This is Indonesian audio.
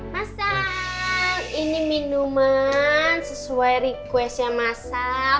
masa ini minuman sesuai requestnya masal